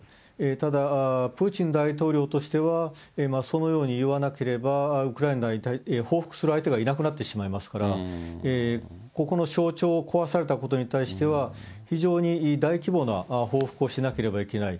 ただ、プーチン大統領としてはそのように言わなければ、ウクライナ、報復する相手がいなくなってしまいますから、ここの象徴を壊されたことに対しては、非常に大規模な報復をしなければいけない。